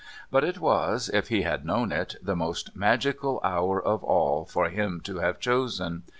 But it was, if he had known it, the most magical hour of all for him to have chosen.